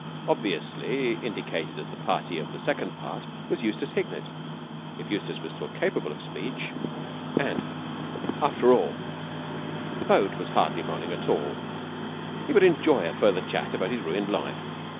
Obviously indicated as the party of the second part was Eustace Hignett. If Eustace was still capable of speech and after all the boat was hardly rolling at all he would enjoy a further chat about his ruined life.